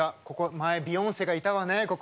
前、ビヨンセがいたわね。